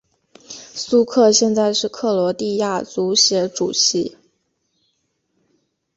苏克现在是克罗地亚足协主席。